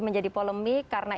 menjadi polemik karena